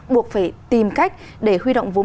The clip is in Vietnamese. buộc phải tìm cách để huy động vốn